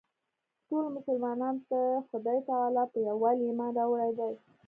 ټولو مسلمانانو د خدای تعلی په یووالي ایمان راوړی دی.